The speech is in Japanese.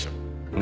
何？